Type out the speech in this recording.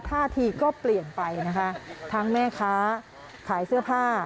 ท่าทีก็เปลี่ยนไปนะคะทั้งแม่ค้าขายเสื้อผ้า